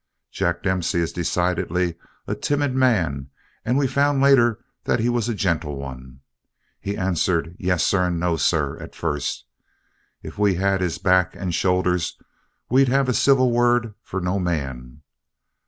Jack Dempsey is decidedly a timid man and we found later that he was a gentle one. He answered, "Yes, sir," and "No, sir," at first. If we had his back and shoulders we'd have a civil word for no man.